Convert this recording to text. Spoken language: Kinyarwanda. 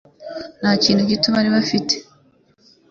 Nta kintu gito bari bafite